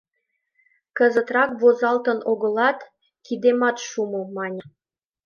— Кызытрак возалтын огылат, кидемат шумо, — мане.